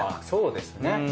そうですね。